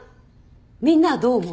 みんなはどう思う？